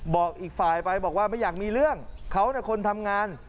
บอกอีกฝ่ายไปบอกว่าไม่อยากมีเรื่องเขานะคนทำงาน